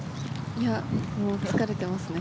いや、もう疲れてますね。